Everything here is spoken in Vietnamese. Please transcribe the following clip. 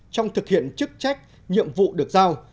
trong thực hiện chức trách nhiệm vụ được giao